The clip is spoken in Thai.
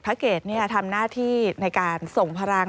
เกดทำหน้าที่ในการส่งพลัง